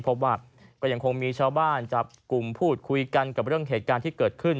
พบว่าก็ยังคงมีชาวบ้านจับกลุ่มพูดคุยกันกับเรื่องเหตุการณ์ที่เกิดขึ้น